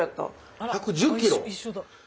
１１０キロ？